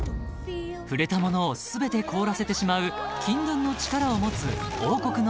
［触れたものを全て凍らせてしまう禁断の力を持つ王国の王女エルサ］